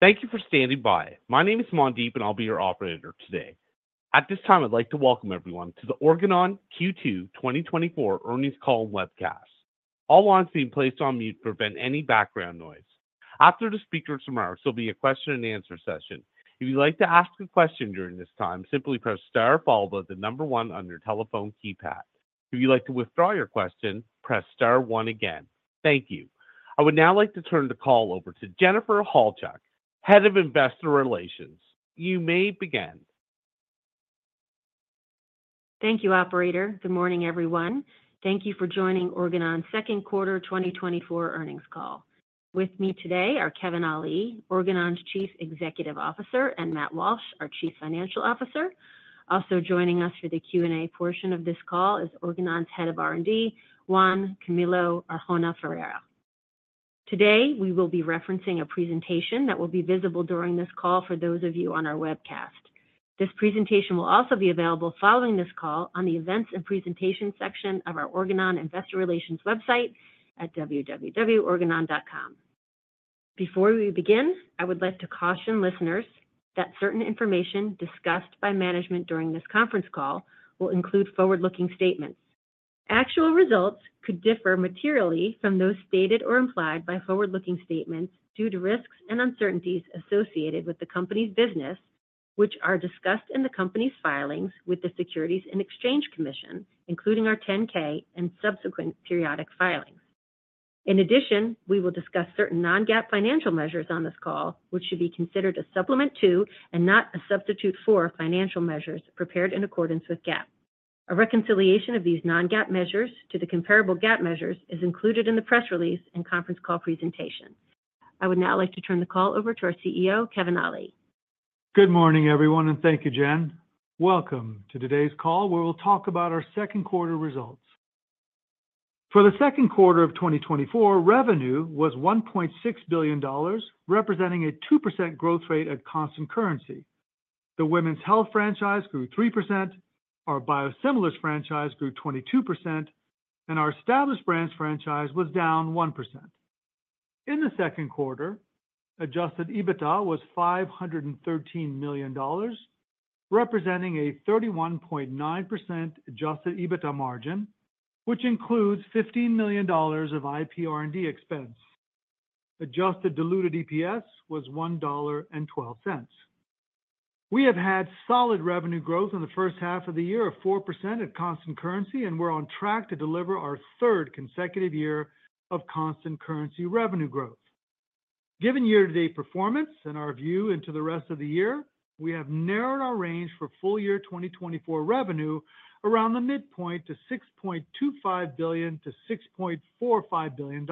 Thank you for standing by. My name is Mandeep, and I'll be your operator today. At this time, I'd like to welcome everyone to the Organon Q2 2024 Earnings Call webcast. All lines have been placed on mute to prevent any background noise. After the speakers' remarks, there'll be a question and answer session. If you'd like to ask a question during this time, simply press star, followed by the number one on your telephone keypad. If you'd like to withdraw your question, press star one again. Thank you. I would now like to turn the call over to Jennifer Halchak, Head of Investor Relations. You may begin. Thank you, operator. Good morning, everyone. Thank you for joining Organon's Second Quarter 2024 Earnings Call. With me today are Kevin Ali, Organon's Chief Executive Officer, and Matt Walsh, our Chief Financial Officer. Also joining us for the Q&A portion of this call is Organon's Head of R&D, Juan Camilo Arjona Ferreira. Today, we will be referencing a presentation that will be visible during this call for those of you on our webcast. This presentation will also be available following this call on the Events and Presentation section of our Organon Investor Relations website at www.organon.com. Before we begin, I would like to caution listeners that certain information discussed by management during this conference call will include forward-looking statements. Actual results could differ materially from those stated or implied by forward-looking statements due to risks and uncertainties associated with the company's business, which are discussed in the company's filings with the Securities and Exchange Commission, including our 10-K and subsequent periodic filings. In addition, we will discuss certain non-GAAP financial measures on this call, which should be considered a supplement to, and not a substitute for, financial measures prepared in accordance with GAAP. A reconciliation of these non-GAAP measures to the comparable GAAP measures is included in the press release and conference call presentation. I would now like to turn the call over to our CEO, Kevin Ali. Good morning, everyone, and thank you, Jen. Welcome to today's call, where we'll talk about our second quarter results. For the second quarter of 2024, revenue was $1.6 billion, representing a 2% growth rate at constant currency. The Women's Health franchise grew 3%, our Biosimilars franchise grew 22%, and our Established Brands franchise was down 1%. In the second quarter, adjusted EBITDA was $513 million, representing a 31.9% adjusted EBITDA margin, which includes $15 million of IPR&D expense. Adjusted diluted EPS was $1.12. We have had solid revenue growth in the first half of the year of 4% at constant currency, and we're on track to deliver our third consecutive year of constant currency revenue growth. Given year-to-date performance and our view into the rest of the year, we have narrowed our range for full-year 2024 revenue around the midpoint to $6.25 billion-$6.45 billion.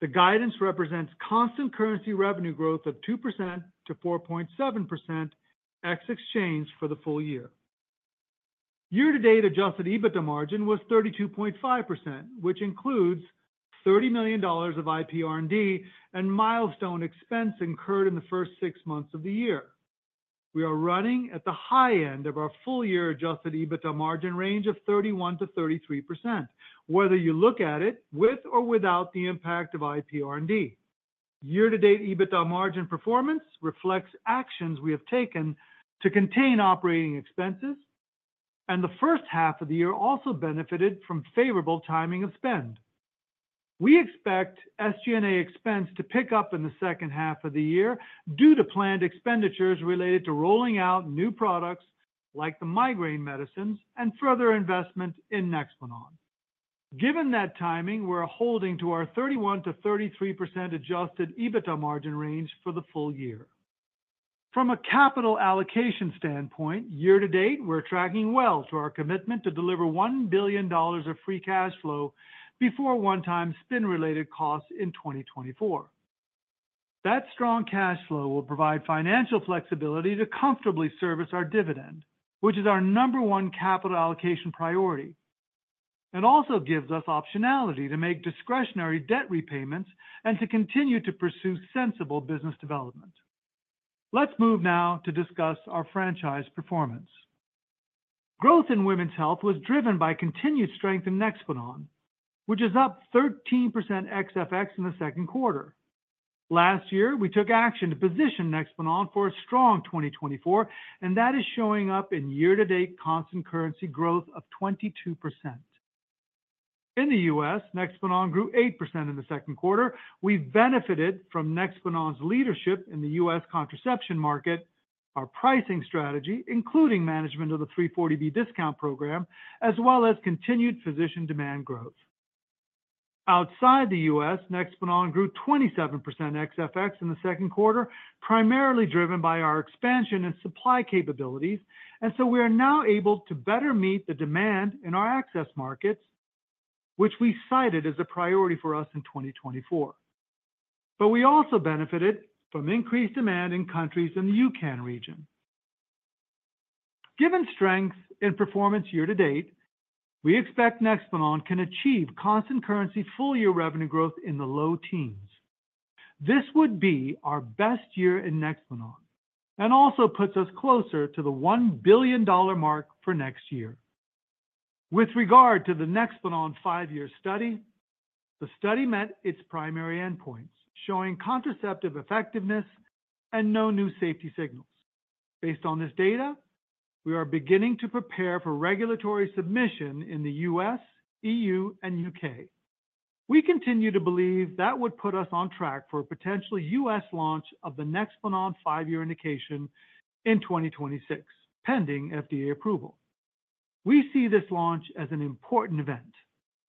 The guidance represents constant currency revenue growth of 2%-4.7%, ex exchange for the full year. Year-to-date, adjusted EBITDA margin was 32.5%, which includes $30 million of IPR&D and milestone expense incurred in the first six months of the year. We are running at the high end of our full-year adjusted EBITDA margin range of 31%-33%, whether you look at it with or without the impact of IPR&D. year-to-date, EBITDA margin performance reflects actions we have taken to contain operating expenses, and the first half of the year also benefited from favorable timing of spend. We expect SG&A expense to pick up in the second half of the year due to planned expenditures related to rolling out new products like the migraine medicines and further investment in NEXPLANON. Given that timing, we're holding to our 31%-33% adjusted EBITDA margin range for the full year. From a capital allocation standpoint, year-to-date, we're tracking well to our commitment to deliver $1 billion of free cash flow before one-time spin-related costs in 2024. That strong cash flow will provide financial flexibility to comfortably service our dividend, which is our number one capital allocation priority. It also gives us optionality to make discretionary debt repayments and to continue to pursue sensible business development. Let's move now to discuss our franchise performance. Growth in women's health was driven by continued strength in NEXPLANON, which is up 13% ex FX in the second quarter. Last year, we took action to position NEXPLANON for a strong 2024, and that is showing up in year-to-date constant currency growth of 22%. In the U.S., NEXPLANON grew 8% in the second quarter. We benefited from NEXPLANON's leadership in the US contraception market, our pricing strategy, including management of the 340B discount program, as well as continued physician demand growth. Outside the US, NEXPLANON grew 27% ex FX in the second quarter, primarily driven by our expansion and supply capabilities, and so we are now able to better meet the demand in our access markets, which we cited as a priority for us in 2024. But we also benefited from increased demand in countries in the U.K. and region. Given strength in performance year-to-date, we expect NEXPLANON can achieve constant currency full-year revenue growth in the low teens. This would be our best year in NEXPLANON and also puts us closer to the $1 billion mark for next year. With regard to the NEXPLANON five year study, the study met its primary endpoints, showing contraceptive effectiveness and no new safety signals. Based on this data, we are beginning to prepare for regulatory submission in the U.S., E.U., and U.K. We continue to believe that would put us on track for a potential U.S. launch of the NEXPLANON five year indication in 2026, pending FDA approval. We see this launch as an important event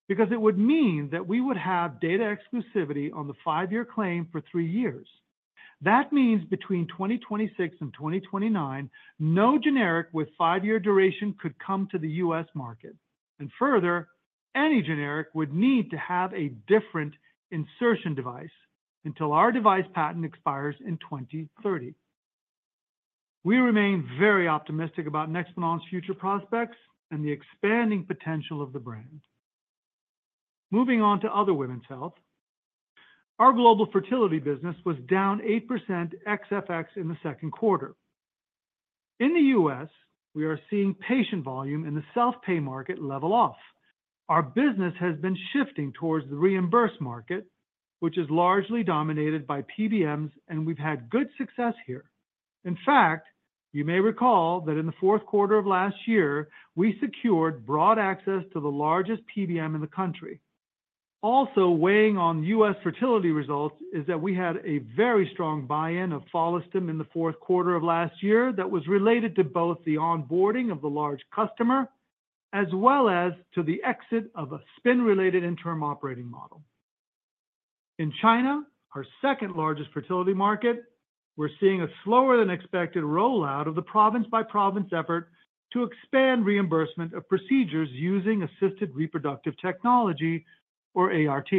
because it would mean that we would have data exclusivity on the five year claim for three years. That means between 2026 and 2029, no generic with 5-year duration could come to the U.S. market. Further, any generic would need to have a different insertion device until our device patent expires in 2030. We remain very optimistic about NEXPLANON's future prospects and the expanding potential of the brand. Moving on to other women's health. Our global fertility business was down 8% ex FX in the second quarter. In the U.S., we are seeing patient volume in the self-pay market level off. Our business has been shifting towards the reimbursed market, which is largely dominated by PBMs, and we've had good success here. In fact, you may recall that in the fourth quarter of last year, we secured broad access to the largest PBM in the country. Also weighing on U.S. fertility results is that we had a very strong buy-in of Follistim in the fourth quarter of last year that was related to both the onboarding of the large customer, as well as to the exit of a spin-related interim operating model. In China, our second-largest fertility market, we're seeing a slower than expected rollout of the province-by-province effort to expand reimbursement of procedures using assisted reproductive technology or ART.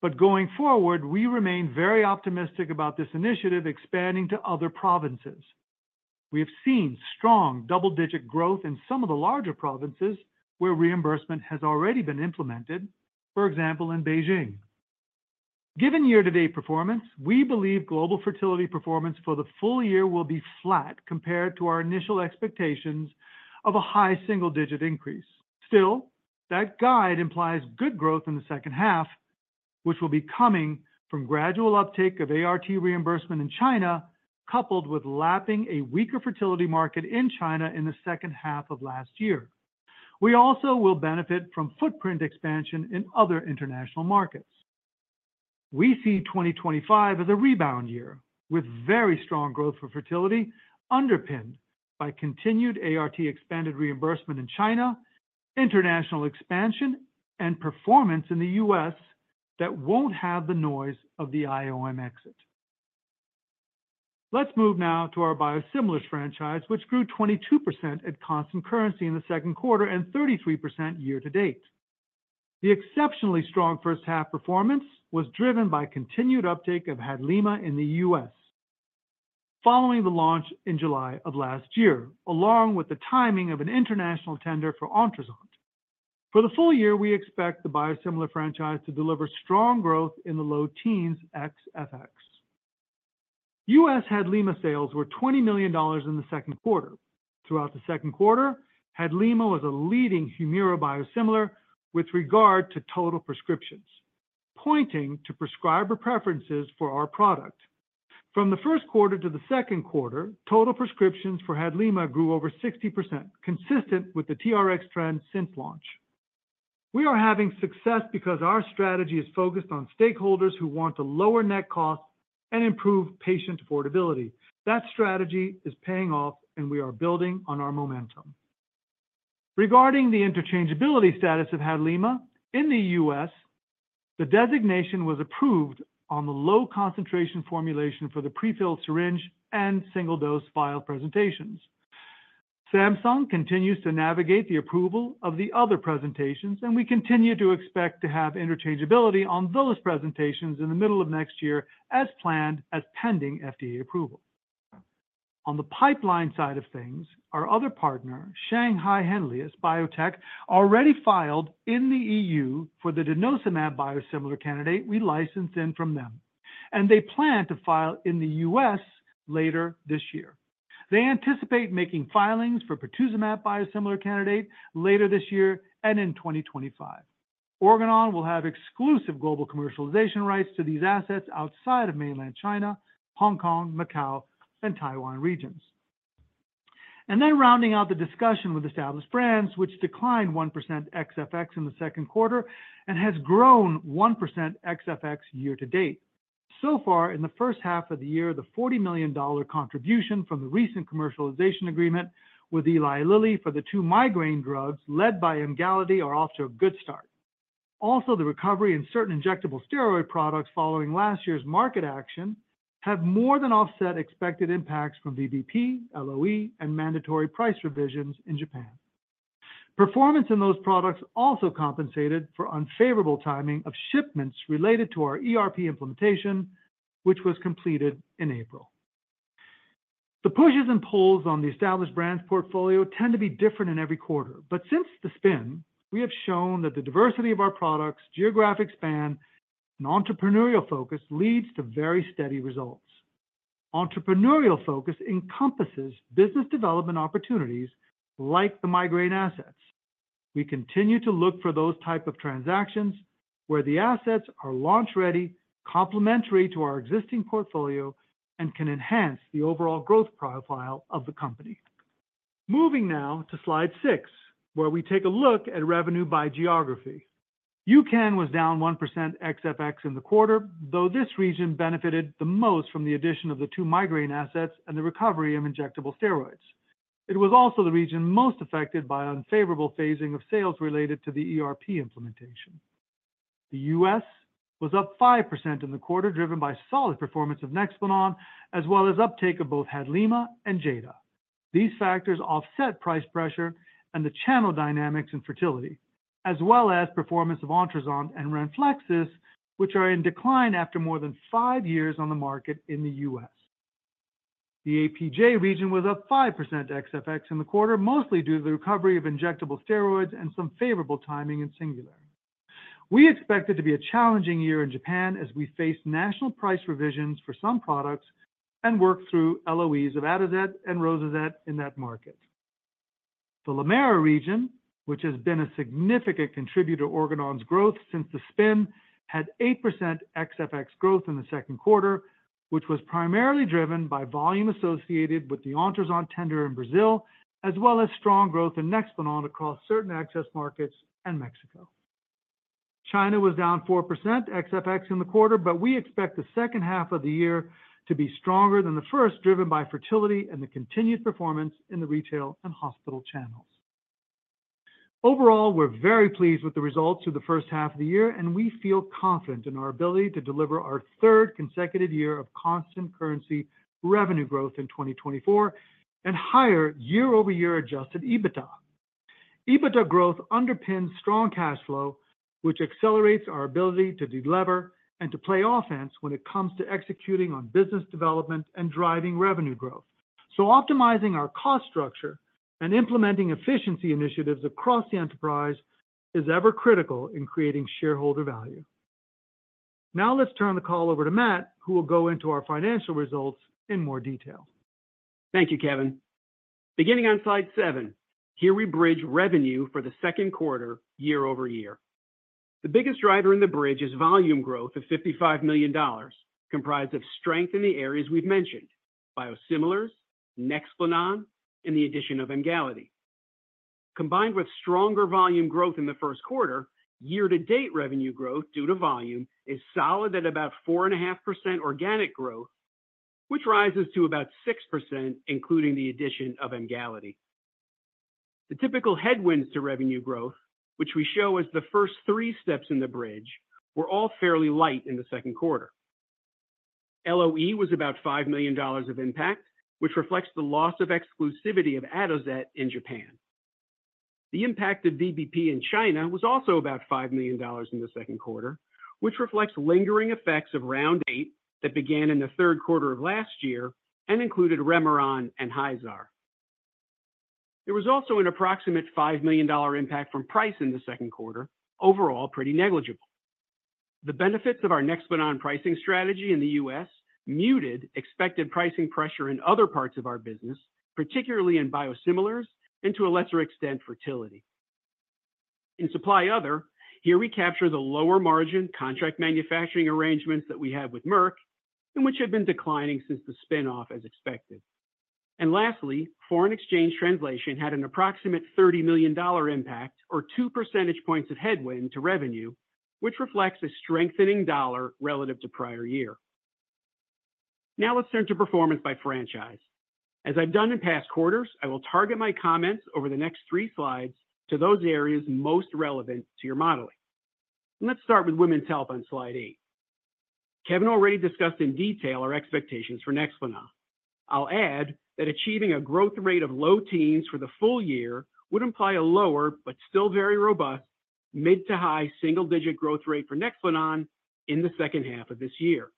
But going forward, we remain very optimistic about this initiative expanding to other provinces. We have seen strong double-digit growth in some of the larger provinces where reimbursement has already been implemented, for example, in Beijing. Given year-to-date performance, we believe global fertility performance for the full year will be flat compared to our initial expectations of a high single-digit increase. Still, that guide implies good growth in the second half, which will be coming from gradual uptake of ART reimbursement in China, coupled with lapping a weaker fertility market in China in the second half of last year. We also will benefit from footprint expansion in other international markets. We see 2025 as a rebound year, with very strong growth for fertility, underpinned by continued ART expanded reimbursement in China, international expansion, and performance in the U.S. that won't have the noise of the IOM exit. Let's move now to our biosimilars franchise, which grew 22% at constant currency in the second quarter and 33% year-to-date. The exceptionally strong first half performance was driven by continued uptake of HADLIMA in the U.S., following the launch in July of last year, along with the timing of an international tender for Ontruzant. For the full year, we expect the biosimilar franchise to deliver strong growth in the low teens ex FX. U.S. HADLIMA sales were $20 million in the second quarter. Throughout the second quarter, HADLIMA was a leading Humira biosimilar with regard to total prescriptions, pointing to prescriber preferences for our product. From the first quarter to the second quarter, total prescriptions for HADLIMA grew over 60%, consistent with the TRX trend since launch. We are having success because our strategy is focused on stakeholders who want to lower net costs and improve patient affordability. That strategy is paying off, and we are building on our momentum. Regarding the interchangeability status of HADLIMA, in the U.S., the designation was approved on the low concentration formulation for the prefilled syringe and single-dose vial presentations. Samsung continues to navigate the approval of the other presentations, and we continue to expect to have interchangeability on those presentations in the middle of next year as planned, as pending FDA approval. On the pipeline side of things, our other partner, Shanghai Henlius Biotech, already filed in the E.U. for the denosumab biosimilar candidate we licensed in from them, and they plan to file in the U.S. later this year. They anticipate making filings for pertuzumab biosimilar candidate later this year and in 2025. Organon will have exclusive global commercialization rights to these assets outside of mainland China, Hong Kong, Macau, and Taiwan regions. Rounding out the discussion with Established Brands, which declined 1% ex FX in the second quarter and has grown 1% ex FX year-to-date. So far, in the first half of the year, the $40 million contribution from the recent commercialization agreement with Eli Lilly for the two migraine drugs led by Emgality are off to a good start. Also, the recovery in certain injectable steroid products following last year's market action have more than offset expected impacts from VBP, LOE, and mandatory price revisions in Japan. Performance in those products also compensated for unfavorable timing of shipments related to our ERP implementation, which was completed in April. The pushes and pulls on the Established Brands portfolio tend to be different in every quarter, but since the spin, we have shown that the diversity of our products, geographic span, and entrepreneurial focus leads to very steady results. Entrepreneurial focus encompasses business development opportunities like the migraine assets. We continue to look for those type of transactions where the assets are launch-ready, complementary to our existing portfolio, and can enhance the overall growth profile of the company. Moving now to Slide 6, where we take a look at revenue by geography. EUCAN was down 1% ex-FX in the quarter, though this region benefited the most from the addition of the two migraine assets and the recovery of injectable steroids. It was also the region most affected by unfavorable phasing of sales related to the ERP implementation. The U.S. was up 5% in the quarter, driven by solid performance of NEXPLANON, as well as uptake of both HADLIMA and Jada. These factors offset price pressure and the channel dynamics in fertility, as well as performance of Ontruzant and RENFLEXIS, which are in decline after more than five years on the market in the U.S. The APJ region was up 5% ex-FX in the quarter, mostly due to the recovery of injectable steroids and some favorable timing in SINGULAIR. We expect it to be a challenging year in Japan as we face national price revisions for some products and work through LOEs of Atozet and ROSUZET in that market. The LATAM region, which has been a significant contributor to Organon's growth since the spin, had 8% ex-FX growth in the second quarter, which was primarily driven by volume associated with the Ontruzant tender in Brazil, as well as strong growth in NEXPLANON across certain access markets and Mexico. China was down 4% ex-FX in the quarter, but we expect the second half of the year to be stronger than the first, driven by fertility and the continued performance in the retail and hospital channels. Overall, we're very pleased with the results of the first half of the year, and we feel confident in our ability to deliver our third consecutive year of constant currency revenue growth in 2024, and higher year-over-year Adjusted EBITDA. EBITDA growth underpins strong cash flow, which accelerates our ability to delever and to play offense when it comes to executing on business development and driving revenue growth. Optimizing our cost structure and implementing efficiency initiatives across the enterprise is ever critical in creating shareholder value. Now let's turn the call over to Matt, who will go into our financial results in more detail. Thank you, Kevin. Beginning on Slide 7, here we bridge revenue for the second quarter, year-over-year. The biggest driver in the bridge is volume growth of $55 million, comprised of strength in the areas we've mentioned: biosimilars, NEXPLANON, and the addition of Emgality. Combined with stronger volume growth in the first quarter, year-to-date revenue growth due to volume is solid at about 4.5% organic growth, which rises to about 6%, including the addition of Emgality. The typical headwinds to revenue growth, which we show as the first three steps in the bridge, were all fairly light in the second quarter. LOE was about $5 million of impact, which reflects the loss of exclusivity of Atozet in Japan. The impact of VBP in China was also about $5 million in the second quarter, which reflects lingering effects of Round Eight that began in the third quarter of last year and included REMERON and HYZAAR. There was also an approximate $5 million impact from price in the second quarter, overall, pretty negligible. The benefits of our NEXPLANON pricing strategy in the U.S. muted expected pricing pressure in other parts of our business, particularly in biosimilars and, to a lesser extent, fertility. In supply other, here we capture the lower margin contract manufacturing arrangements that we have with Merck and which have been declining since the spin-off as expected. And lastly, foreign exchange translation had an approximate $30 million impact or 2 percentage points of headwind to revenue, which reflects a strengthening dollar relative to prior year. Now let's turn to performance by franchise. As I've done in past quarters, I will target my comments over the next 3 slides to those areas most relevant to your modeling. Let's start with women's health on Slide 8. Kevin already discussed in detail our expectations for NEXPLANON. I'll add that achieving a growth rate of low teens% for the full year would imply a lower, but still very robust, mid- to high-single-digit% growth rate for NEXPLANON in the second half of this year.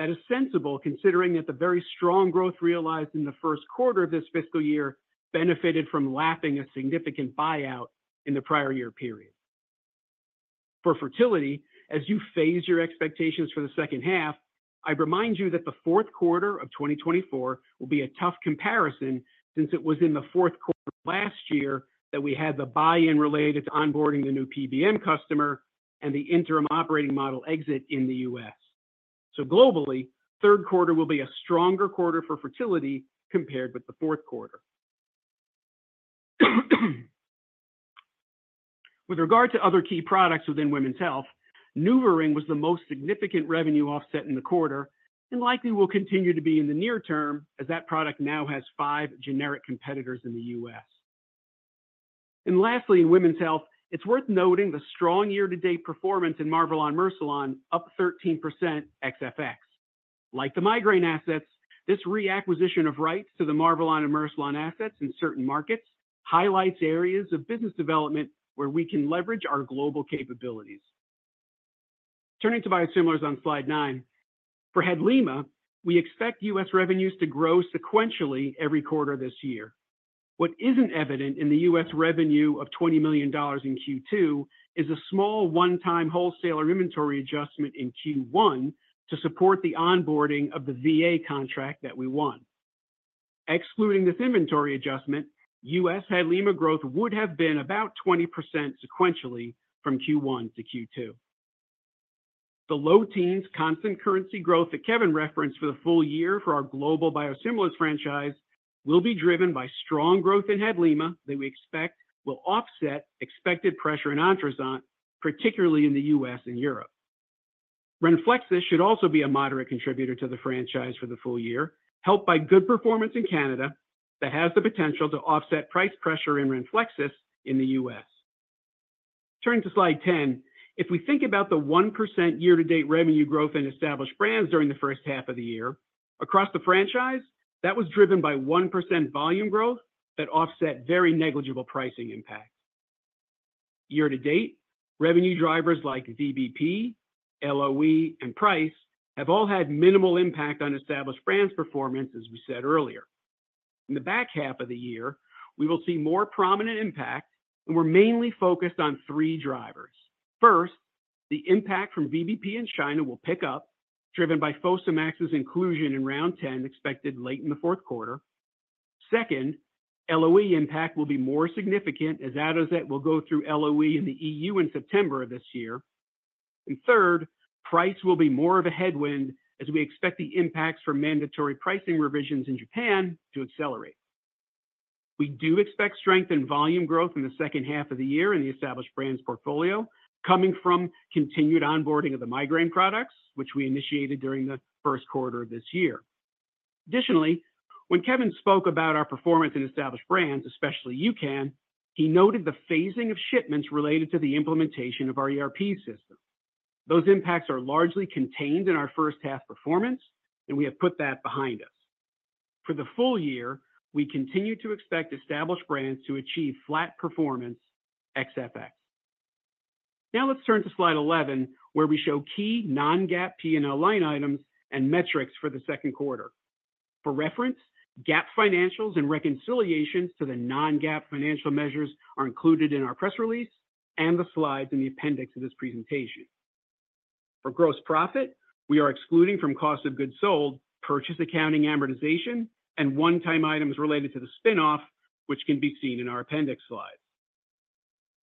That is sensible, considering that the very strong growth realized in the first quarter of this fiscal year benefited from lapping a significant buyout in the prior year period. For fertility, as you phase your expectations for the second half, I'd remind you that the fourth quarter of 2024 will be a tough comparison since it was in the fourth quarter last year that we had the buy-in related to onboarding the new PBM customer and the interim operating model exit in the U.S. So globally, third quarter will be a stronger quarter for fertility compared with the fourth quarter. With regard to other key products within women's health, NuvaRing was the most significant revenue offset in the quarter and likely will continue to be in the near term, as that product now has five generic competitors in the U.S. And lastly, in women's health, it's worth noting the strong year-to-date performance in Marvelon Mercilon, up 13% ex-FX. Like the migraine assets, this reacquisition of rights to the Marvelon and Mercilon assets in certain markets highlights areas of business development where we can leverage our global capabilities. Turning to biosimilars on Slide 9, for HADLIMA, we expect U.S. revenues to grow sequentially every quarter this year. What isn't evident in the U.S. revenue of $20 million in Q2, is a small one-time wholesaler inventory adjustment in Q1 to support the onboarding of the VA contract that we won. Excluding this inventory adjustment, U.S. HADLIMA growth would have been about 20% sequentially from Q1 to Q2. The low teens constant currency growth that Kevin referenced for the full year for our global biosimilars franchise, will be driven by strong growth in HADLIMA that we expect will offset expected pressure in Ontruzant, particularly in the U.S. and Europe. RENFLEXIS should also be a moderate contributor to the franchise for the full year, helped by good performance in Canada, that has the potential to offset price pressure in RENFLEXIS in the U.S. Turning to Slide 10. If we think about the 1% year-to-date revenue growth in established brands during the first half of the year, across the franchise, that was driven by 1% volume growth that offset very negligible pricing impacts. year-to-date, revenue drivers like VBP, LOE, and price have all had minimal impact on established brands performance, as we said earlier. In the back half of the year, we will see more prominent impact, and we're mainly focused on three drivers. First, the impact from VBP in China will pick up, driven by FOSAMAX's inclusion in round 10, expected late in the fourth quarter. Second, LOE impact will be more significant as Atozet will go through LOE in the E.U. in September of this year. And third, price will be more of a headwind as we expect the impacts from mandatory pricing revisions in Japan to accelerate. We do expect strength in volume growth in the second half of the year in the established brands portfolio, coming from continued onboarding of the migraine products, which we initiated during the first quarter of this year. Additionally, when Kevin spoke about our performance in established brands, especially EUCAN, he noted the phasing of shipments related to the implementation of our ERP system. Those impacts are largely contained in our first half performance, and we have put that behind us. For the full year, we continue to expect established brands to achieve flat performance ex FX. Now let's turn to Slide 11, where we show key non-GAAP P&L line items and metrics for the second quarter. For reference, GAAP financials and reconciliations to the non-GAAP financial measures are included in our press release and the slides in the appendix of this presentation. For gross profit, we are excluding from cost of goods sold, purchase accounting amortization and one-time items related to the spin-off, which can be seen in our appendix slide.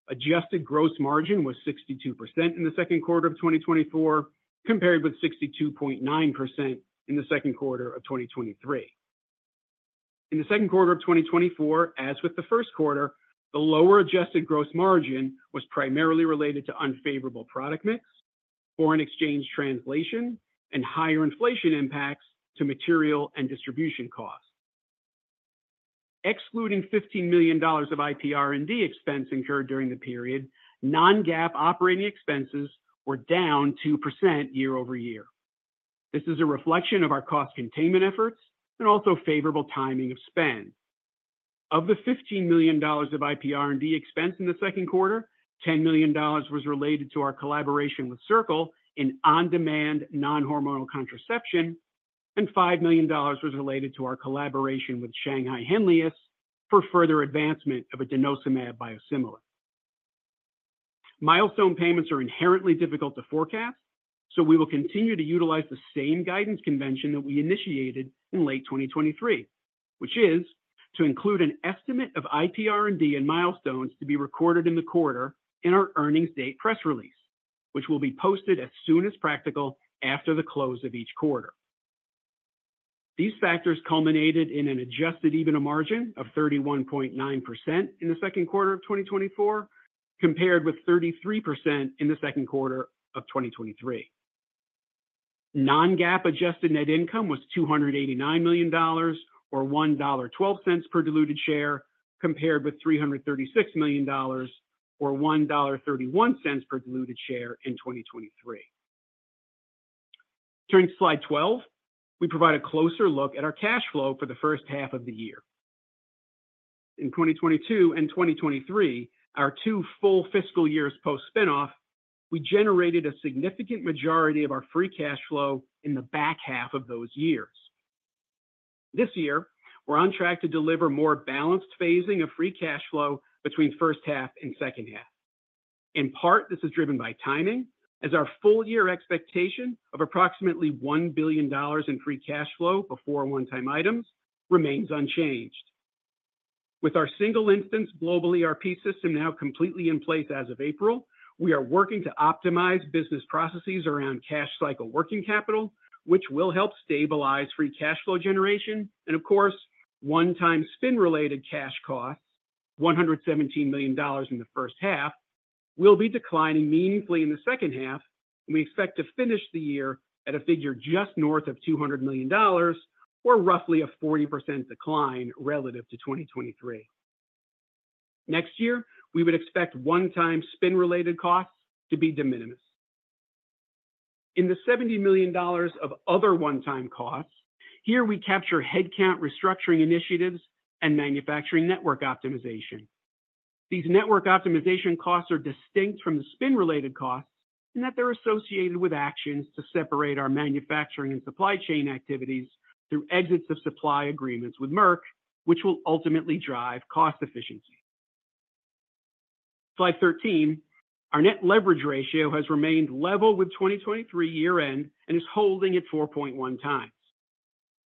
Adjusted gross margin was 62% in the second quarter of 2024, compared with 62.9% in the second quarter of 2023. In the second quarter of 2024, as with the first quarter, the lower adjusted gross margin was primarily related to unfavorable product mix, foreign exchange translation, and higher inflation impacts to material and distribution costs. Excluding $15 million of IPR&D expense incurred during the period, non-GAAP operating expenses were down 2% year-over-year. This is a reflection of our cost containment efforts and also favorable timing of spend. Of the $15 million of IPR&D expense in the second quarter, $10 million was related to our collaboration with Cirqle in on-demand, non-hormonal contraception, and $5 million was related to our collaboration with Shanghai Henlius for further advancement of a denosumab biosimilar. Milestone payments are inherently difficult to forecast, so we will continue to utilize the same guidance convention that we initiated in late 2023, which is to include an estimate of IPR&D and milestones to be recorded in the quarter in our earnings date press release, which will be posted as soon as practical after the close of each quarter. These factors culminated in an adjusted EBITDA margin of 31.9% in the second quarter of 2024, compared with 33% in the second quarter of 2023. Non-GAAP adjusted net income was $289 million or $1.12 per diluted share, compared with $336 million or $1.31 per diluted share in 2023. Turning to Slide 12, we provide a closer look at our cash flow for the first half of the year. In 2022 and 2023, our two full fiscal years post-spinoff, we generated a significant majority of our free cash flow in the back half of those years. This year, we're on track to deliver more balanced phasing of free cash flow between first half and second half. In part, this is driven by timing, as our full year expectation of approximately $1 billion in free cash flow before one-time items remains unchanged. With our single instance global ERP system now completely in place as of April, we are working to optimize business processes around cash cycle working capital, which will help stabilize free cash flow generation. And of course, one-time spin-related cash costs, $117 million in the first half, will be declining meaningfully in the second half, and we expect to finish the year at a figure just north of $200 million or roughly a 40% decline relative to 2023. Next year, we would expect one-time spin-related costs to be de minimis. In the $70 million of other one-time costs, here we capture headcount restructuring initiatives and manufacturing network optimization. These network optimization costs are distinct from the spin-related costs in that they're associated with actions to separate our manufacturing and supply chain activities through exits of supply agreements with Merck, which will ultimately drive cost efficiency. Slide 13, our net leverage ratio has remained level with 2023 year-end and is holding at 4.1 times.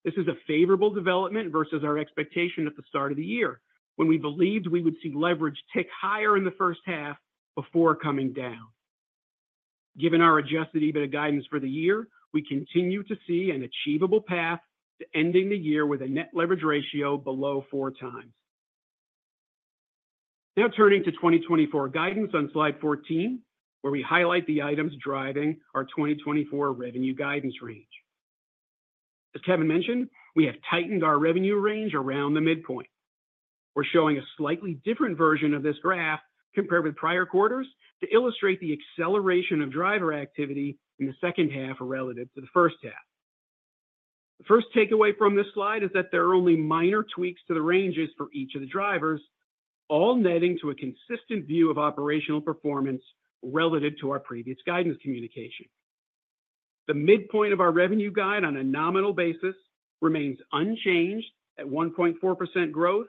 This is a favorable development versus our expectation at the start of the year, when we believed we would see leverage tick higher in the first half before coming down. Given our adjusted EBITDA guidance for the year, we continue to see an achievable path to ending the year with a net leverage ratio below four times. Now turning to 2024 guidance on Slide 14, where we highlight the items driving our 2024 revenue guidance range. As Kevin mentioned, we have tightened our revenue range around the midpoint. We're showing a slightly different version of this graph compared with prior quarters to illustrate the acceleration of driver activity in the second half relative to the first half. The first takeaway from this slide is that there are only minor tweaks to the ranges for each of the drivers, all netting to a consistent view of operational performance relative to our previous guidance communication. The midpoint of our revenue guide on a nominal basis remains unchanged at 1.4% growth,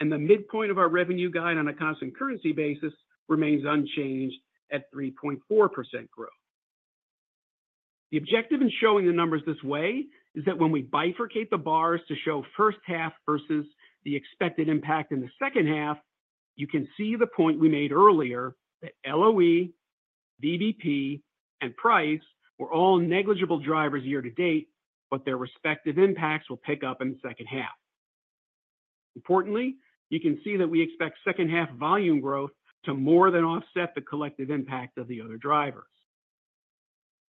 and the midpoint of our revenue guide on a constant currency basis remains unchanged at 3.4% growth. The objective in showing the numbers this way is that when we bifurcate the bars to show first half versus the expected impact in the second half, you can see the point we made earlier that LOE, VBP, and price were all negligible drivers year-to-date, but their respective impacts will pick up in the second half. Importantly, you can see that we expect second half volume growth to more than offset the collective impact of the other drivers.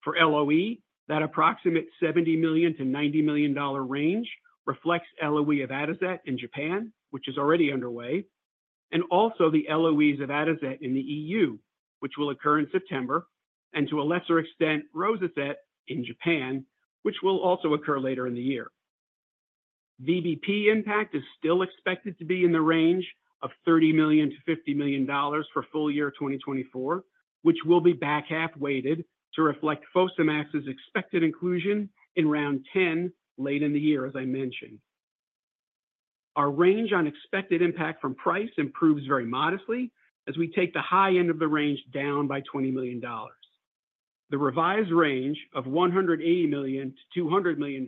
For LOE, that approximate $70 million-$90 million range reflects LOE of Atozet in Japan, which is already underway, and also the LOEs of Atozet in the E.U., which will occur in September, and to a lesser extent, ROSUZET in Japan, which will also occur later in the year. VBP impact is still expected to be in the range of $30 million-$50 million for full year 2024, which will be back half weighted to reflect FOSAMAX's expected inclusion in round 10, late in the year, as I mentioned. Our range on expected impact from price improves very modestly as we take the high end of the range down by $20 million. The revised range of $180 million-$200 million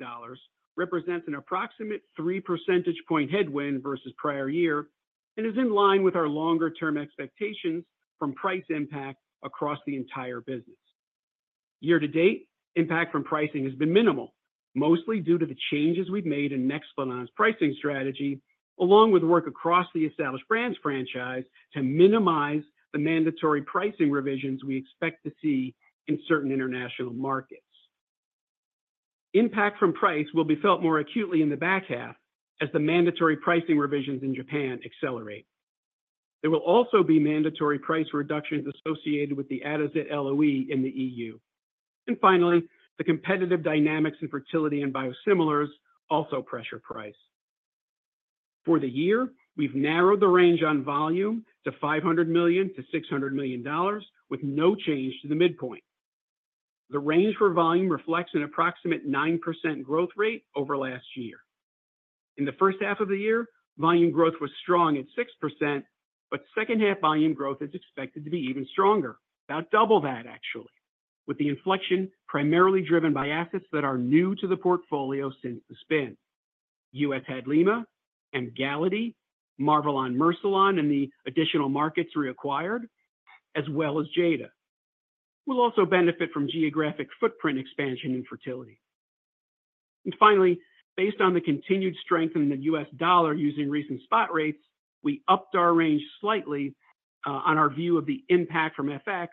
represents an approximate three percentage point headwind versus prior year and is in line with our longer-term expectations from price impact across the entire business. year-to-date, impact from pricing has been minimal, mostly due to the changes we've made in NEXPLANON's pricing strategy, along with work across the established brands franchise to minimize the mandatory pricing revisions we expect to see in certain international markets. Impact from price will be felt more acutely in the back half as the mandatory pricing revisions in Japan accelerate. There will also be mandatory price reductions associated with the Atozet LOE in the E.U. And finally, the competitive dynamics in fertility and biosimilars also pressure price. For the year, we've narrowed the range on volume to $500 million-$600 million, with no change to the midpoint. The range for volume reflects an approximate 9% growth rate over last year. In the first half of the year, volume growth was strong at 6%, but second half volume growth is expected to be even stronger. About double that, actually, with the inflection primarily driven by assets that are new to the portfolio since the spin. U.S. HADLIMA and Emgality, Marvelon, Mercilon, and the additional markets reacquired, as well as Jada. We'll also benefit from geographic footprint expansion in fertility. And finally, based on the continued strength in the U.S. dollar using recent spot rates, we upped our range slightly, on our view of the impact from FX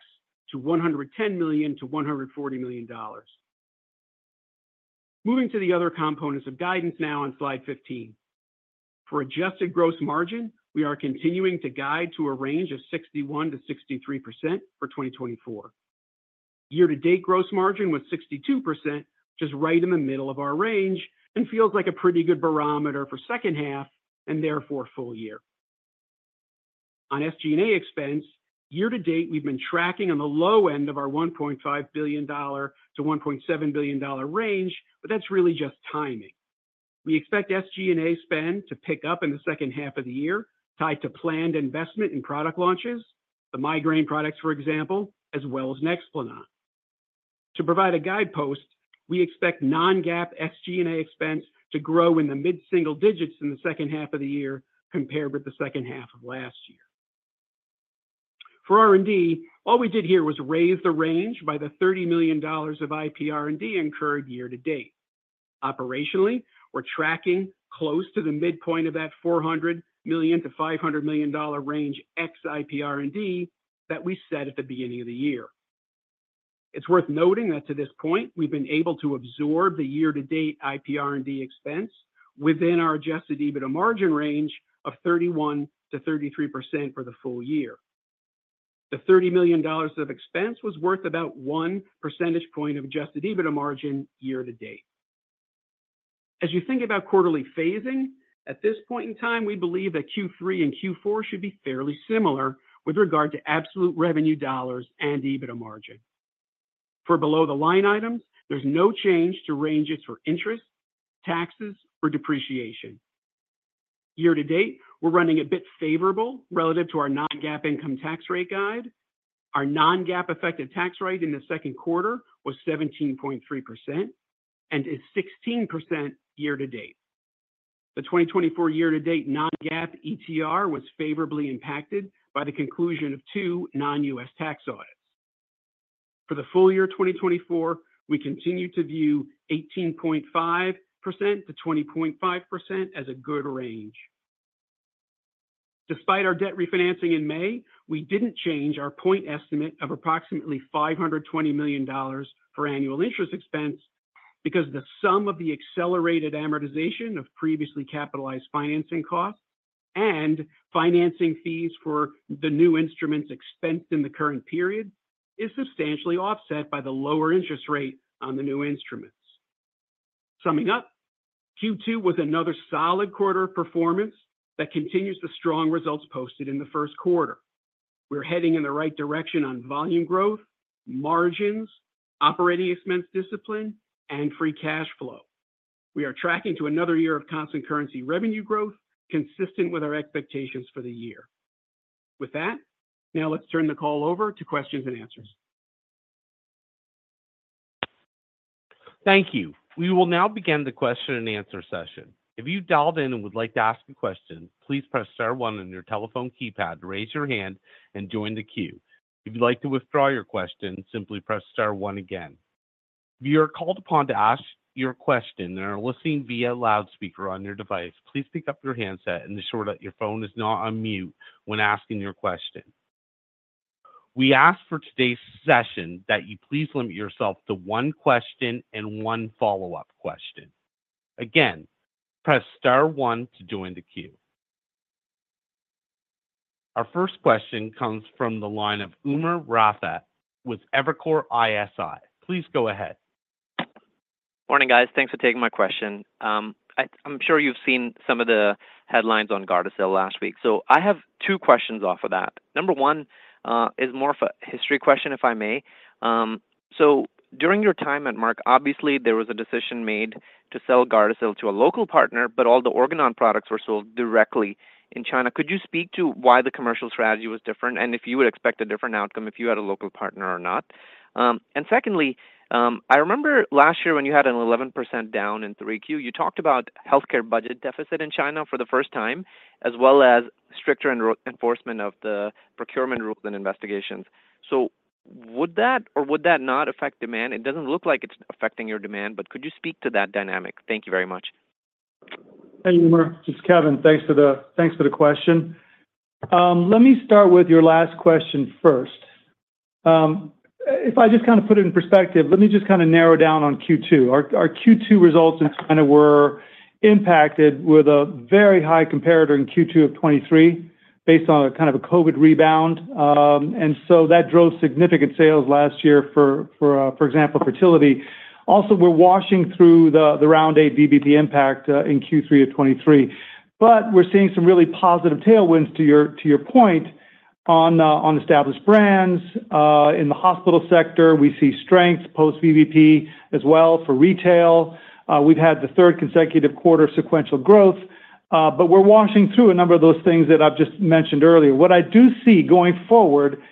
to $110 million-$140 million. Moving to the other components of guidance now on Slide 15. For adjusted gross margin, we are continuing to guide to a range of 61%-63% for 2024. year-to-date gross margin was 62%, just right in the middle of our range, and feels like a pretty good barometer for second half and therefore full year. On SG&A expense, year-to-date, we've been tracking on the low end of our $1.5 billion-$1.7 billion range, but that's really just timing. We expect SG&A spend to pick up in the second half of the year, tied to planned investment in product launches, the migraine products, for example, as well as NEXPLANON. To provide a guidepost, we expect non-GAAP SG&A expense to grow in the mid-single digits in the second half of the year compared with the second half of last year. For R&D, all we did here was raise the range by the $30 million of IPR&D incurred year-to-date. Operationally, we're tracking close to the midpoint of that $400 million-$500 million range ex IPR&D that we set at the beginning of the year. It's worth noting that to this point, we've been able to absorb the year-to-date IPR&D expense within our adjusted EBITDA margin range of 31%-33% for the full year. The $30 million of expense was worth about one percentage point of adjusted EBITDA margin year-to-date. As you think about quarterly phasing, at this point in time, we believe that Q3 and Q4 should be fairly similar with regard to absolute revenue dollars and EBITDA margin. For below-the-line items, there's no change to ranges for interest, taxes, or depreciation. year-to-date, we're running a bit favorable relative to our non-GAAP income tax rate guide. Our non-GAAP effective tax rate in the second quarter was 17.3% and is 16% year-to-date. The 2024 year-to-date non-GAAP ETR was favorably impacted by the conclusion of two non-U.S. tax audits. For the full year 2024, we continue to view 18.5%-20.5% as a good range. Despite our debt refinancing in May, we didn't change our point estimate of approximately $520 million for annual interest expense, because the sum of the accelerated amortization of previously capitalized financing costs and financing fees for the new instruments expensed in the current period is substantially offset by the lower interest rate on the new instruments. Summing up, Q2 was another solid quarter of performance that continues the strong results posted in the first quarter. We're heading in the right direction on volume growth, margins, operating expense discipline, and free cash flow. We are tracking to another year of constant currency revenue growth, consistent with our expectations for the year. With that, now let's turn the call over to questions and answers. Thank you. We will now begin the question-and-answer session. If you've dialed in and would like to ask a question, please press star one on your telephone keypad to raise your hand and join the queue. If you'd like to withdraw your question, simply press star one again. If you are called upon to ask your question and are listening via loudspeaker on your device, please pick up your handset and ensure that your phone is not on mute when asking your question. We ask for today's session that you please limit yourself to one question and one follow-up question. Again, press star one to join the queue. Our first question comes from the line of Umer Raffat with Evercore ISI. Please go ahead. Morning, guys. Thanks for taking my question. I'm sure you've seen some of the headlines on GARDASIL last week. So I have two questions off of that. Number one is more of a history question, if I may. So during your time at Merck, obviously there was a decision made to sell GARDASIL to a local partner, but all the Organon products were sold directly in China. Could you speak to why the commercial strategy was different, and if you would expect a different outcome if you had a local partner or not? And secondly, I remember last year when you had an 11% down in Q3, you talked about healthcare budget deficit in China for the first time, as well as stricter enforcement of the procurement rules and investigations. So would that or would that not affect demand? It doesn't look like it's affecting your demand, but could you speak to that dynamic? Thank you very much. Hey, Umer, it's Kevin. Thanks for the question. Let me start with your last question first. If I just kind of put it in perspective, let me just kind of narrow down on Q2. Our Q2 results in China were impacted with a very high comparator in Q2 of 2023, based on a kind of a COVID rebound. And so that drove significant sales last year for example, fertility. Also, we're washing through the Round 8 VBP impact in Q3 of 2023, but we're seeing some really positive tailwinds, to your point, on established brands. In the hospital sector, we see strengths post-VBP as well for retail. We've had the third consecutive quarter sequential growth, but we're washing through a number of those things that I've just mentioned earlier. What I do see going forward,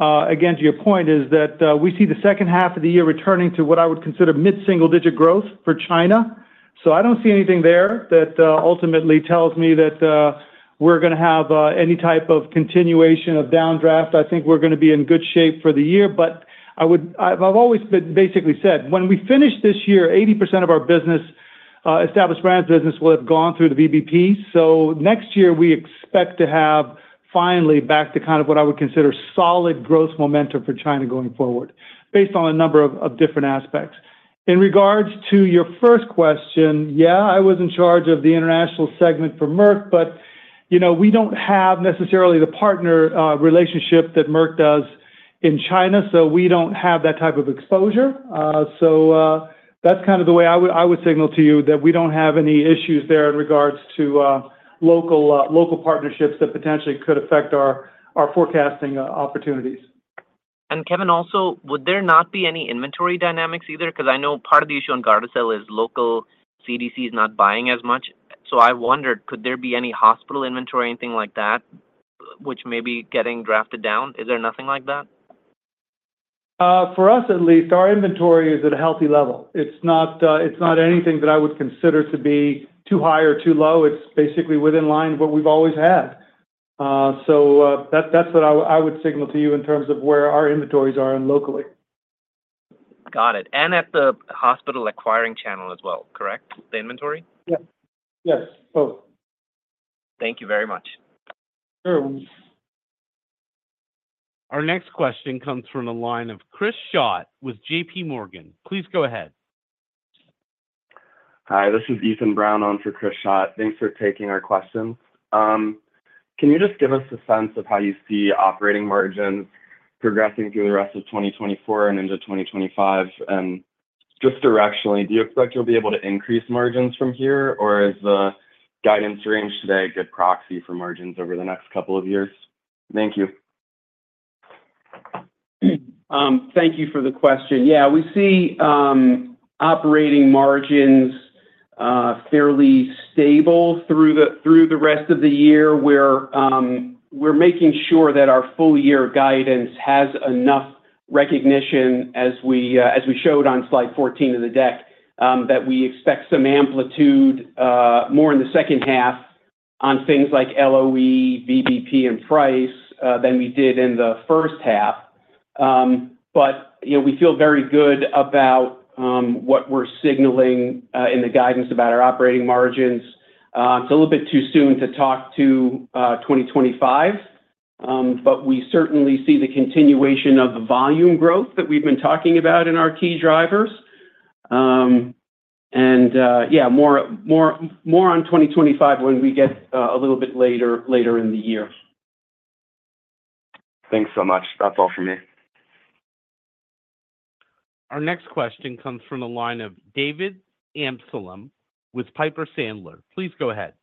again, to your point, is that, we see the second half of the year returning to what I would consider mid-single-digit growth for China. So I don't see anything there that, ultimately tells me that, we're gonna have, any type of continuation of downdraft. I think we're gonna be in good shape for the year, but I would—I've always basically said, when we finish this year, 80% of our business, established brands business, will have gone through the VBP. So next year we expect to have finally back to kind of what I would consider solid growth momentum for China going forward, based on a number of different aspects. In regards to your first question, yeah, I was in charge of the international segment for Merck, but, you know, we don't have necessarily the partner relationship that Merck does in China, so we don't have that type of exposure. So, that's kind of the way I would signal to you that we don't have any issues there in regards to local partnerships that potentially could affect our forecasting opportunities. Kevin, also, would there not be any inventory dynamics either? Because I know part of the issue on GARDASIL is local CDCs not buying as much. So I wondered, could there be any hospital inventory or anything like that, which may be getting drawn down? Is there nothing like that? For us, at least, our inventory is at a healthy level. It's not, it's not anything that I would consider to be too high or too low. It's basically in line with what we've always had. So, that's, that's what I, I would signal to you in terms of where our inventories are locally. Got it. And at the hospital acquiring channel as well, correct, the inventory? Yes. Yes, both. Thank you very much. Sure. Our next question comes from the line of Chris Schott with JPMorgan. Please go ahead. Hi, this is Ethan Brown on for Chris Schott. Thanks for taking our questions. Can you just give us a sense of how you see operating margins progressing through the rest of 2024 and into 2025? And just directionally, do you expect you'll be able to increase margins from here, or is the guidance range today a good proxy for margins over the next couple of years? Thank you. Thank you for the question. Yeah, we see operating margins fairly stable through the rest of the year, where we're making sure that our full year guidance has enough recognition as we showed on Slide 14 of the deck, that we expect some amplitude more in the second half on things like LOE, VBP, and price than we did in the first half. But, you know, we feel very good about what we're signaling in the guidance about our operating margins. It's a little bit too soon to talk to 2025, but we certainly see the continuation of the volume growth that we've been talking about in our key drivers. Yeah, more on 2025 when we get a little bit later in the year. Thanks so much. That's all for me. Our next question comes from the line of David Amsellem with Piper Sandler. Please go ahead.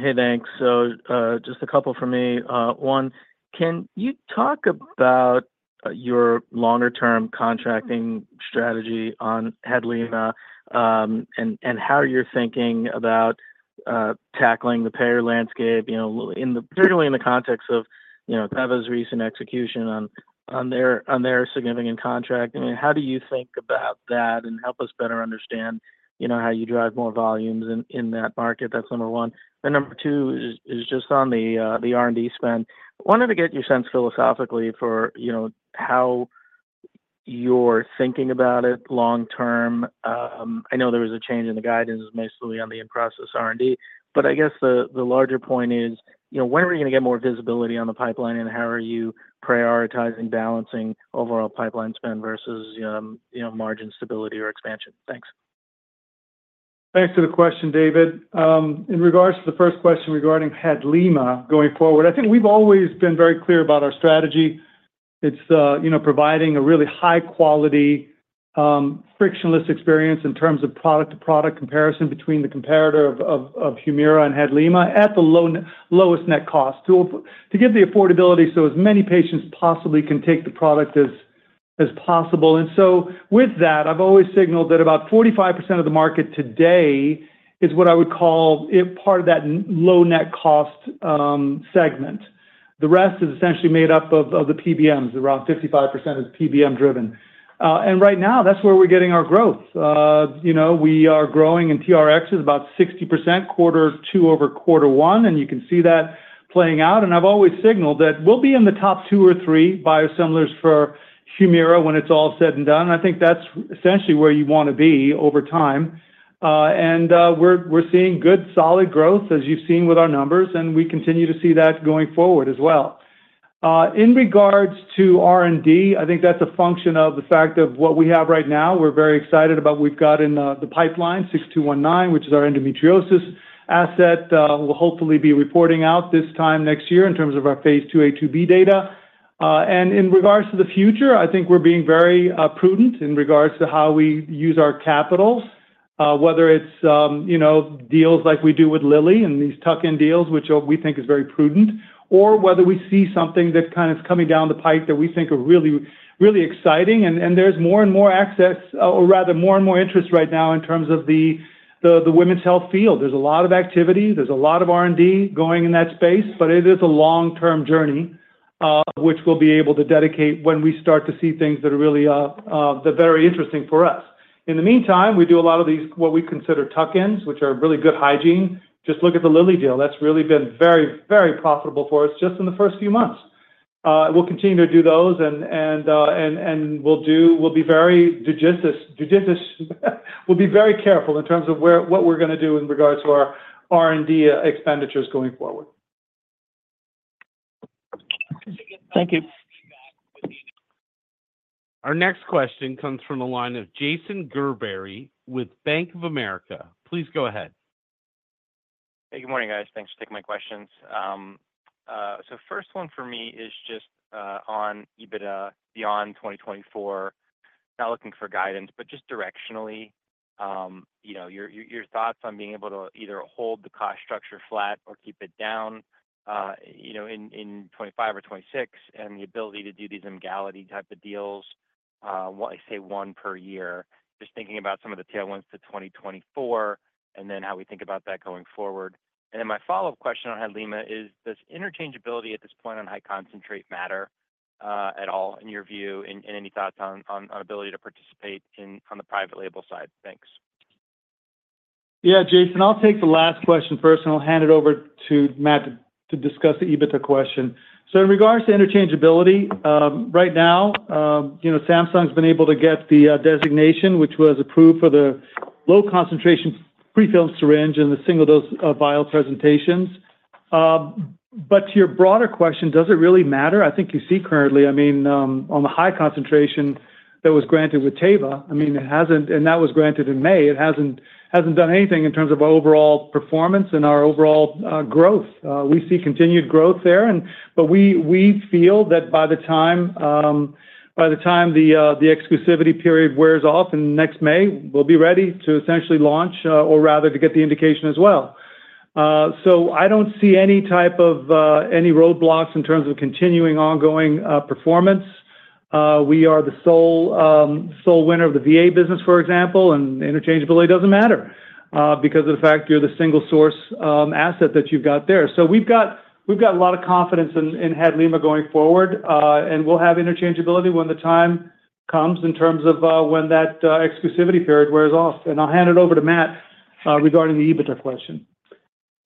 Hey, thanks. Just a couple for me. One, can you talk about your longer term contracting strategy on HADLIMA, and how you're thinking about tackling the payer landscape, you know, particularly in the context of, you know, Teva's recent execution on their significant contract? I mean, how do you think about that? And help us better understand, you know, how you drive more volumes in that market. That's number one. Then number two is just on the R&D spend. I wanted to get your sense philosophically for, you know, how you're thinking about it long term. I know there was a change in the guidance, mostly on the in-process R&D, but I guess the larger point is, you know, when are we gonna get more visibility on the pipeline, and how are you prioritizing balancing overall pipeline spend versus, you know, margin stability or expansion? Thanks. Thanks for the question, David. In regards to the first question regarding HADLIMA going forward, I think we've always been very clear about our strategy. It's, you know, providing a really high-quality frictionless experience in terms of product-to-product comparison between the comparator of Humira and HADLIMA at the lowest net cost, to give the affordability so as many patients possibly can take the product as possible. And so with that, I've always signaled that about 45% of the market today is what I would call it part of that low net cost segment. The rest is essentially made up of the PBMs. Around 55% is PBM driven. And right now, that's where we're getting our growth. You know, we are growing, and TRX is about 60% Quarter two over Quarter one, and you can see that playing out. I've always signaled that we'll be in the top two or three biosimilars for Humira when it's all said and done, and I think that's essentially where you wanna be over time. And we're seeing good, solid growth, as you've seen with our numbers, and we continue to see that going forward as well. In regards to R&D, I think that's a function of the fact of what we have right now. We're very excited about what we've got in the pipeline, 6219, which is our endometriosis asset. We'll hopefully be reporting out this time next year in terms of our phase 2a, 2b data. In regards to the future, I think we're being very prudent in regards to how we use our capital, whether it's, you know, deals like we do with Lilly and these tuck-in deals, which we think is very prudent, or whether we see something that kind of is coming down the pipe that we think are really, really exciting. There's more and more access, or rather more and more interest right now in terms of the women's health field. There's a lot of activity, there's a lot of R&D going in that space, but it is a long-term journey, which we'll be able to dedicate when we start to see things that are really, they're very interesting for us. In the meantime, we do a lot of these, what we consider tuck-ins, which are really good hygiene. Just look at the Lilly deal. That's really been very, very profitable for us just in the first few months. We'll continue to do those, and we'll be very judicious, we'll be very careful in terms of what we're gonna do in regards to our R&D expenditures going forward. Thank you. Our next question comes from a line of Jason Gerberry with Bank of America. Please go ahead. Hey, good morning, guys. Thanks for taking my questions. So first one for me is just on EBITDA beyond 2024. Not looking for guidance, but just directionally, you know, your thoughts on being able to either hold the cost structure flat or keep it down, you know, in 2025 or 2026, and the ability to do these Emgality type of deals, say one per year. Just thinking about some of the tailwinds to 2024, and then how we think about that going forward. And then my follow-up question on HADLIMA is, does interchangeability at this point on high concentrate matter at all, in your view, and any thoughts on our ability to participate in the private label side? Thanks. Yeah, Jason, I'll take the last question first, and I'll hand it over to Matt to discuss the EBITDA question. So in regards to interchangeability, right now, you know, Samsung's been able to get the designation, which was approved for the low concentration prefilled syringe and the single-dose vial presentations. But to your broader question, does it really matter? I think you see currently, I mean, on the high concentration that was granted with Teva, I mean, it hasn't and that was granted in May. It hasn't, hasn't done anything in terms of overall performance and our overall growth. We see continued growth there. And but we, we feel that by the time, by the time the exclusivity period wears off in next May, we'll be ready to essentially launch, or rather to get the indication as well. So I don't see any type of, any roadblocks in terms of continuing ongoing performance. We are the sole, sole winner of the VA business, for example, and interchangeability doesn't matter, because of the fact you're the single source, asset that you've got there. So we've got, we've got a lot of confidence in, in HADLIMA going forward, and we'll have interchangeability when the time comes in terms of, when that, exclusivity period wears off. And I'll hand it over to Matt, regarding the EBITDA question.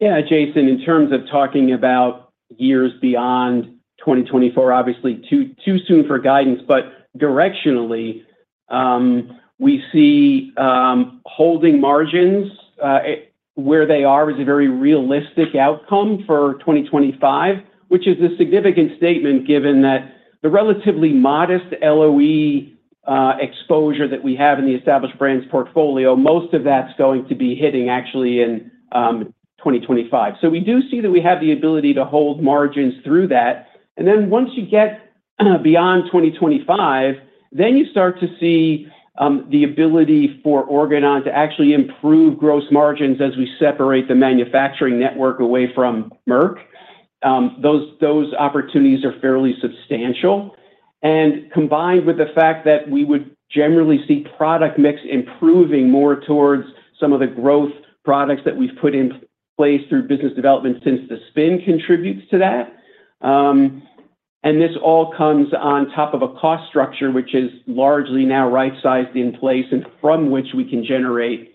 Yeah, Jason, in terms of talking about years beyond 2024, obviously, too soon for guidance, but directionally, we see holding margins where they are is a very realistic outcome for 2025, which is a significant statement given that the relatively modest LOE exposure that we have in the established brands portfolio, most of that's going to be hitting actually in 2025. So we do see that we have the ability to hold margins through that, and then once you get beyond 2025, then you start to see the ability for Organon to actually improve gross margins as we separate the manufacturing network away from Merck. Those opportunities are fairly substantial. Combined with the fact that we would generally see product mix improving more towards some of the growth products that we've put in place through business development since the spin contributes to that. This all comes on top of a cost structure, which is largely now right-sized in place, and from which we can generate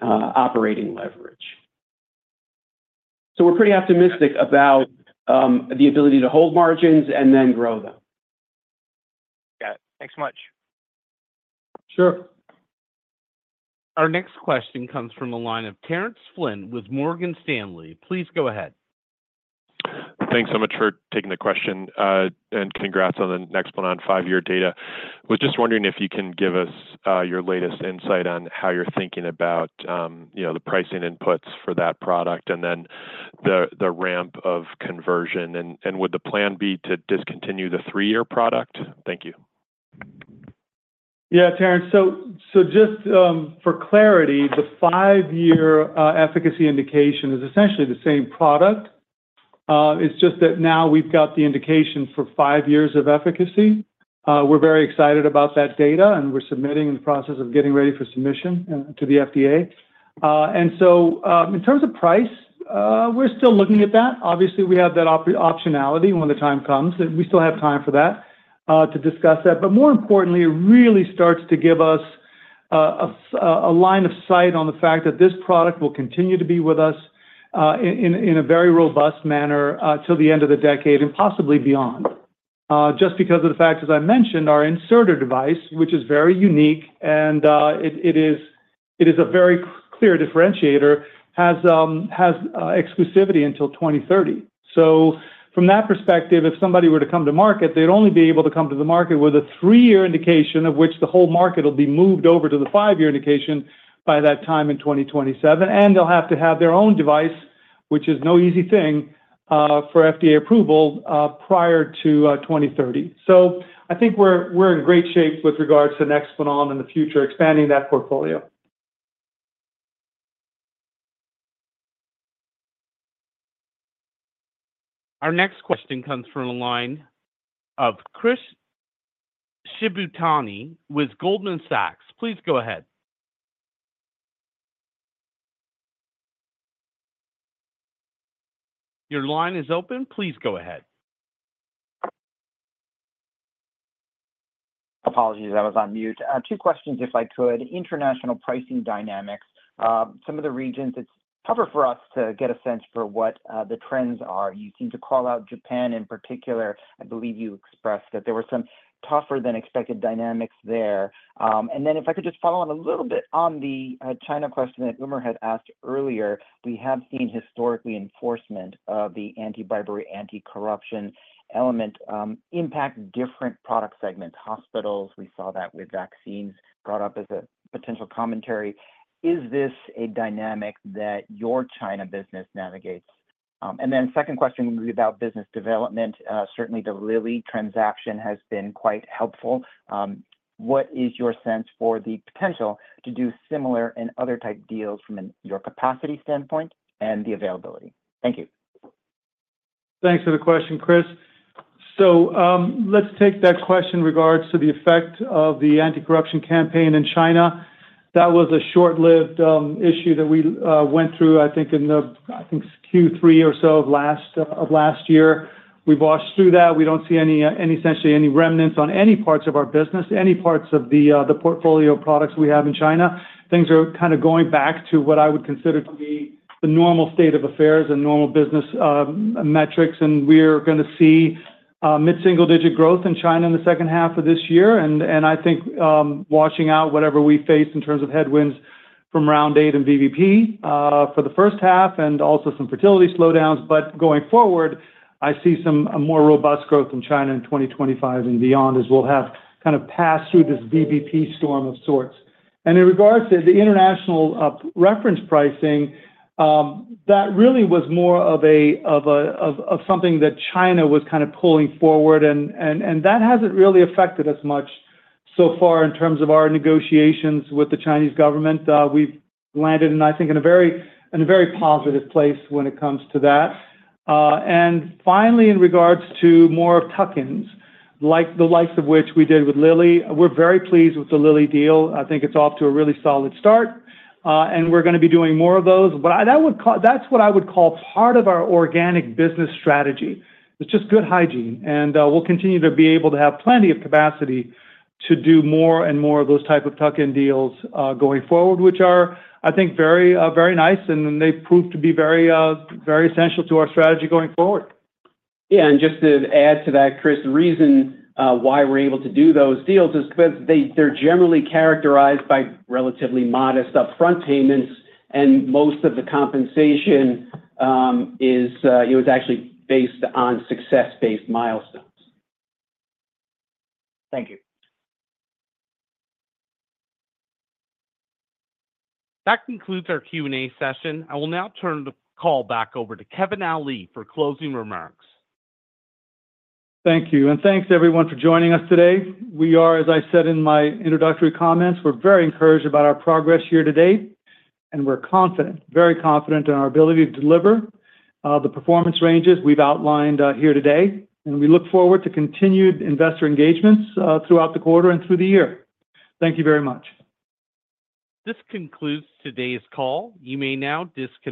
operating leverage. So we're pretty optimistic about the ability to hold margins and then grow them. Got it. Thanks so much. Sure. Our next question comes from the line of Terence Flynn with Morgan Stanley. Please go ahead. Thanks so much for taking the question, and congrats on the NEXPLANON five year data. Was just wondering if you can give us, your latest insight on how you're thinking about, you know, the pricing inputs for that product, and then the ramp of conversion, and would the plan be to discontinue the three year product? Thank you. Yeah, Terrence. So just for clarity, the five year efficacy indication is essentially the same product. It's just that now we've got the indication for five years of efficacy. We're very excited about that data, and we're submitting in the process of getting ready for submission to the FDA. And so, in terms of price, we're still looking at that. Obviously, we have that optionality when the time comes, and we still have time for that to discuss that. But more importantly, it really starts to give us a line of sight on the fact that this product will continue to be with us in a very robust manner till the end of the decade and possibly beyond. Just because of the fact, as I mentioned, our inserter device, which is very unique and a very clear differentiator, has exclusivity until 2030. So from that perspective, if somebody were to come to market, they'd only be able to come to the market with a three year indication of which the whole market will be moved over to the five year indication by that time in 2027, and they'll have to have their own device, which is no easy thing for FDA approval prior to 2030. So I think we're in great shape with regards to NEXPLANON and the future, expanding that portfolio. Our next question comes from the line of Chris Shibutani with Goldman Sachs. Please go ahead. Your line is open. Please go ahead. Apologies, I was on mute. Two questions, if I could. International pricing dynamics. Some of the regions, it's tougher for us to get a sense for what the trends are. You seem to call out Japan in particular. I believe you expressed that there were some tougher than expected dynamics there. And then if I could just follow up a little bit on the China question that Umer had asked earlier. We have seen historically, enforcement of the Anti-Bribery, Anti-Corruption element impact different product segments. Hospitals, we saw that with vaccines brought up as a potential commentary. Is this a dynamic that your China business navigates? And then second question will be about business development. Certainly the Lilly transaction has been quite helpful. What is your sense for the potential to do similar and other type deals from your capacity standpoint and the availability? Thank you. Thanks for the question, Chris. So, let's take that question in regards to the effect of the Anti-Corruption campaign in China. That was a short-lived issue that we went through, I think, in the, I think, Q3 or so of last year. We've washed through that. We don't see any essentially any remnants on any parts of our business, any parts of the portfolio of products we have in China. Things are kind of going back to what I would consider to be the normal state of affairs and normal business metrics, and we're gonna see mid-single-digit growth in China in the second half of this year. And I think washing out whatever we face in terms of headwinds from Round eight and VBP for the first half, and also some fertility slowdowns. But going forward, I see a more robust growth in China in 2025 and beyond, as we'll have kind of passed through this VBP storm of sorts. And in regards to the international reference pricing, that really was more of a something that China was kind of pulling forward, and that hasn't really affected us much so far in terms of our negotiations with the Chinese government. We've landed in, I think, in a very positive place when it comes to that. And finally, in regards to more of tuck-ins, like the likes of which we did with Lilly, we're very pleased with the Lilly deal. I think it's off to a really solid start, and we're gonna be doing more of those. But I- that would call. That's what I would call part of our organic business strategy, it's just good hygiene, and we'll continue to be able to have plenty of capacity to do more and more of those type of tuck-in deals, going forward, which are, I think, very, very nice, and they prove to be very, very essential to our strategy going forward. Yeah, and just to add to that, Chris, the reason why we're able to do those deals is because they're generally characterized by relatively modest upfront payments, and most of the compensation is, you know, is actually based on success-based milestones. Thank you. That concludes our Q&A session. I will now turn the call back over to Kevin Ali for closing remarks. Thank you, and thanks, everyone, for joining us today. We are, as I said in my introductory comments, we're very encouraged about our progress here to date, and we're confident, very confident in our ability to deliver, the performance ranges we've outlined, here today. We look forward to continued investor engagements, throughout the quarter and through the year. Thank you very much. This concludes today's call. You may now disconnect.